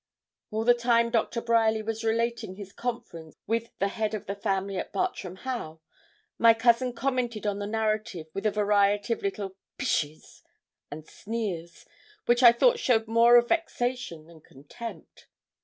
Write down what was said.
All the time Doctor Bryerly was relating his conference with the head of the family at Bartram Haugh my cousin commented on the narrative with a variety of little 'pishes' and sneers, which I thought showed more of vexation than contempt.